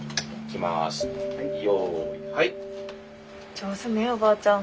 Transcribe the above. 上手ねえおばあちゃん。